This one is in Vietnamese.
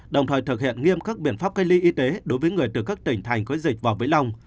đồng thời thực hiện nghiêm khắc biện pháp cây ly y tế đối với người từ các tỉnh thành có dịch vào vĩ long